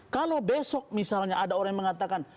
kalau besok misalnya ada orang yang mengatakan